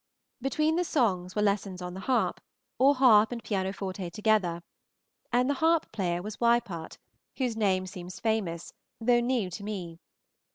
Between the songs were lessons on the harp, or harp and pianoforte together; and the harp player was Wiepart, whose name seems famous, though new to me.